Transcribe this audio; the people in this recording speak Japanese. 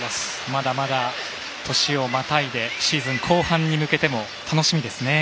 まだまだ年をまたいでシーズン後半に向けても楽しみですね。